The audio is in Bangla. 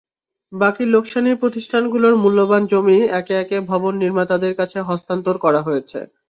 বাকি লোকসানি প্রতিষ্ঠানগুলোর মূল্যবান জমি একে একে ভবন নির্মাতাদের কাছে হস্তান্তর করা হচ্ছে।